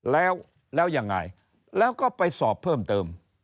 แล้วยังไงแล้วก็ไปสอบเพิ่มเติม